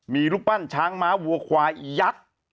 มีรูปปั้นช้างม้าวัวควายยักษ์